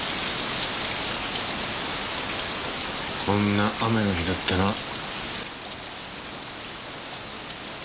こんな雨の日だったな。